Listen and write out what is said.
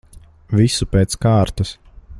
Visu pēc kārtas.